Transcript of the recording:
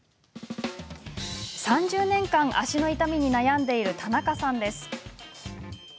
３０年間、足の痛みに悩んでいる田中さんです。